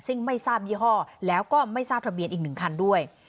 ซึ่งไม่ทราบยี่ห้อแล้วก็ไม่ทราบทะเบียนอีก๑คันด้วย